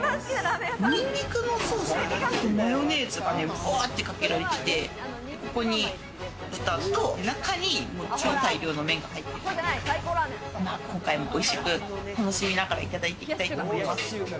ニンニクのソースが、マヨネーズがバッてかけられてて、ここに豚と中に超大量の麺が入ってるので、今回もおいしく、楽しみながらいただいていきたいと思います。